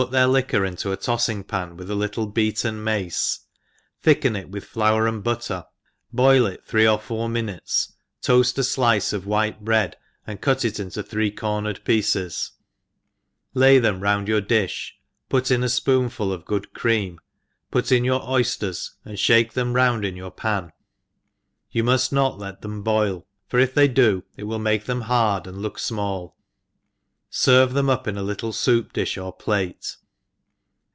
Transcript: their liquor into a tofiing pan with a little beaten mace^ thicken it with flour and butter, boil it three or four minvite$, to^fi: a flic^ of white bread, and cut it into three cornered pieces, lay them round your difh, put in a fpoonful of good cream, put in your oyfters, and £bake them round in your pan, yop muft jiot let them boil, for if they do it will mak^ them hard and look fmall ; ferve thpm up in a little foup difti or plate.